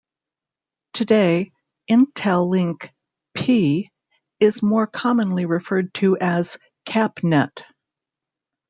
Today, Intelink-P is more commonly referred to as CapNet.